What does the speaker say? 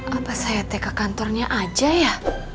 apa saya teh ke kantornya aja ya